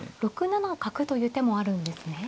６七角という手もあるんですね。